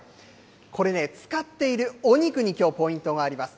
これね、使っているお肉にきょう、ポイントがあります。